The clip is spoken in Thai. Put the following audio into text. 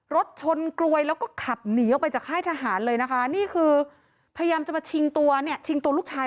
รถชนกลวยแล้วก็ขับหนีออกไปจากค่ายทหารเลยนะคะ